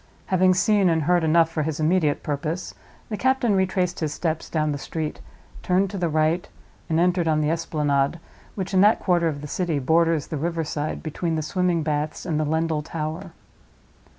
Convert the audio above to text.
Having seen and heard enough for his immediate purpose, the captain retraced his steps down the street, turned to the right, and entered on the Esplanade, which, in that quarter of the city, borders the river side between the swimming baths and Lendal Tower.